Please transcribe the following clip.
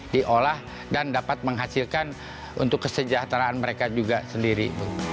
diolah dan dapat menghasilkan untuk kesejahteraan mereka juga sendiri